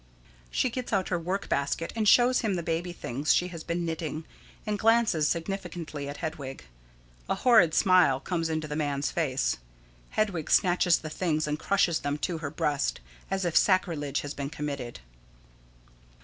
[_She gets out her work basket, and shows him the baby things she has been knitting, and glances significantly at Hedwig. A horrid smile comes into the man's face. Hedwig, snatches the things and crushes them to her breast as if sacrilege had been committed.